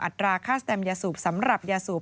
อัตราค่าสแตมยาสูบสำหรับยาสูบ